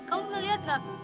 kamu sudah lihat nggak